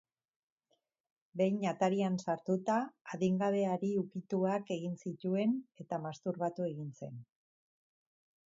Behin atarian sartuta, adingabeari ukituak egin zituen, eta masturbatu egin zen.